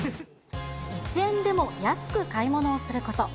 １円でも安く買い物をすること。